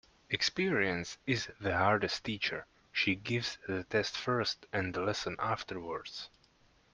Experience is the hardest teacher. She gives the test first and the lesson afterwards.